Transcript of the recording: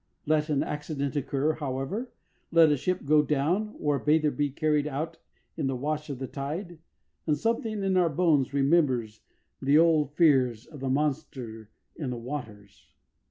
Let an accident occur, however let a ship go down or a bather be carried out in the wash of the tide and something in our bones remembers the old fears of the monster in the waters.